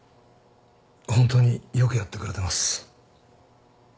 本当によくやってくれてます。